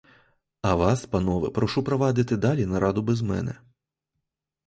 А вас, панове, прошу провадити далі нараду без мене.